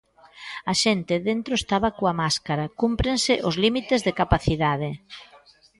A xente dentro estaba coa máscara, cúmprense os límites de capacidade.